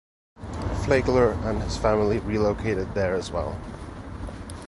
Flagler and his family relocated there as well.